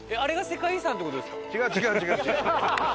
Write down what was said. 違う違う違う違う。